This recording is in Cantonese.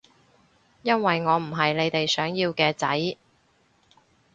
因為我唔係你哋想要嘅仔